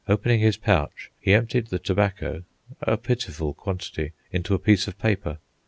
Opening his pouch, he emptied the tobacco (a pitiful quantity) into a piece of paper.